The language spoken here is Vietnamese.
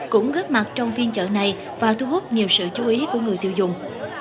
cũng góp mặt trong phiên chợ này và thu hút nhiều sự chú ý của người tiêu dùng